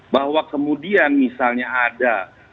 bahwa kemudian misalnya ada